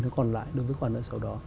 còn lại đối với khoản nợ xấu đó